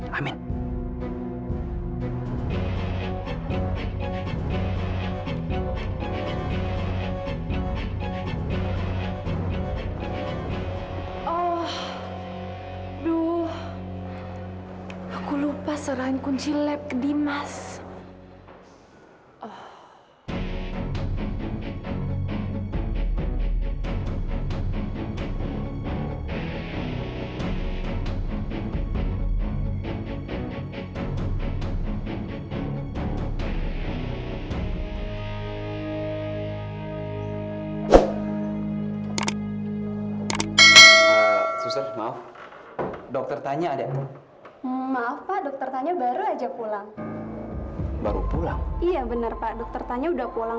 sampai jumpa di video selanjutnya